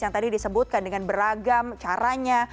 yang tadi disebutkan dengan beragam caranya